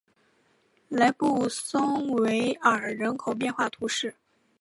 布雷松维勒人口变化图示